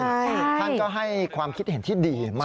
ใช่ท่านก็ให้ความคิดเห็นที่ดีมาก